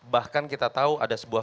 bahkan kita tahu ada sebuah